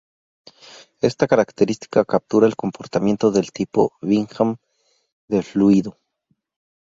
Esta característica captura el comportamiento del tipo Bingham del fluido.